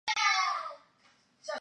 惟故博徒日至纵博。